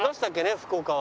福岡は。